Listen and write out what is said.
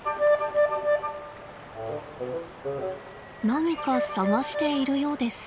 何か探しているようです。